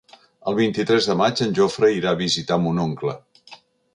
El vint-i-tres de maig en Jofre irà a visitar mon oncle.